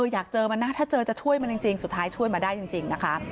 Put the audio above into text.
อยากเจอมันนะถ้าเจอจะช่วยมันจริงสุดท้ายช่วยมาได้จริงนะคะ